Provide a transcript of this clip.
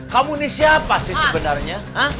kamu ini siapa sih sebenarnya